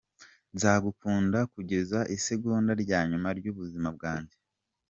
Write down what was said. Nzagukunda kugeza ku isegonda rya nyuma ry’ubuzima bwanjye.